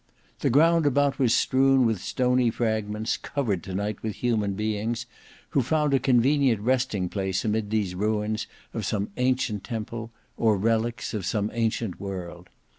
The ground about was strewn with stony fragments, covered tonight with human beings, who found a convenient resting place amid these ruins of some ancient temple or relics of some ancient world.